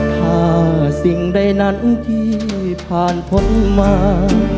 ถ้าสิ่งใดนั้นที่ผ่านพ้นมา